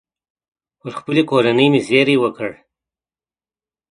پر خپلې کورنۍ مې زېری وکړ.